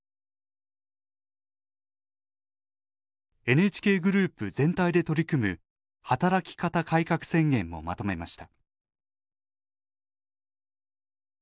ＮＨＫグループ全体で取り組む働き方改革宣言もまとめました。